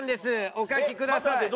お書きください。